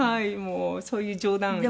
そういう冗談を。